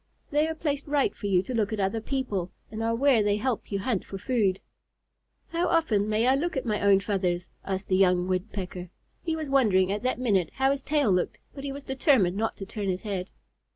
They are placed right for you to look at other people, and are where they help you hunt for food." "How often may I look at my own feathers?" asked the young Woodpecker. He was wondering at that minute how his tail looked, but he was determined not to turn his head.